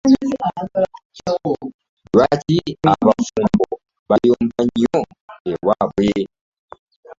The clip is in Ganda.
Lwaki abafumbo bayomba nnyo ewabwe.